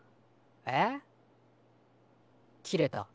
えっ？切れた。